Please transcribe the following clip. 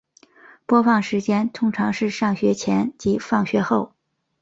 播放时间通常是上学前及放学后。